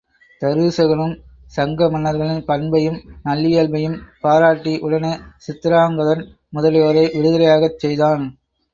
தருசகனும் சங்க மன்னர்களின் பண்பையும் நல்லியல்பையும் பாராட்டி உடனே சித்திராங்கதன் முதலியோரை விடுதலையாகச் செய்தான்.